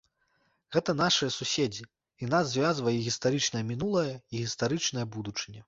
Гэта нашыя суседзі, і нас звязвае і гістарычнае мінулае, і гістарычная будучыня.